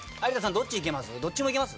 どっちもいけます？